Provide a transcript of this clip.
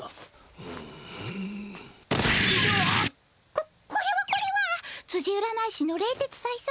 ここれはこれはつじ占い師の冷徹斎様。